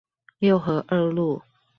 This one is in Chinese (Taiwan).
六合二路